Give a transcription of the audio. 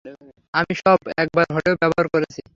আমি সব একবার হলেও ব্যবহার করেছি।